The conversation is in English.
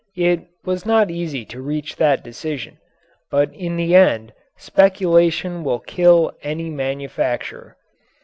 It was not easy to reach that decision. But in the end speculation will kill any manufacturer.